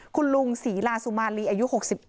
คุณลุงศรีลาสุมาลีอายุ๖๘